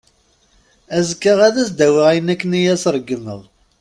Azekka, ad as-d-awiɣ ayen akken i as-ṛeggmeɣ.